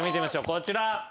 こちら。